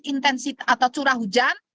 intensitas atau curah hujan